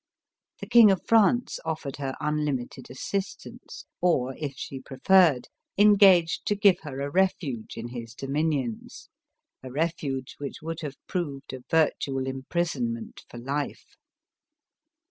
The King of France offered her unlimited assistance, or, if she preferred, engaged to give her a refuge in his dominions — a refuge which would have proved a virtual imprisonment for life.